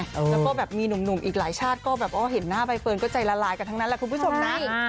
แล้วก็แบบมีหนุ่มอีกหลายชาติก็แบบเห็นหน้าใบเฟิร์นก็ใจละลายกันทั้งนั้นแหละคุณผู้ชมนะ